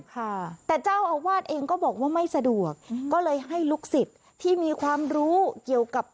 ค่ะแต่เจ้าอาวาสเองก็บอกว่าไม่สะดวกก็เลยให้ลูกศิษย์ที่มีความรู้เกี่ยวกับ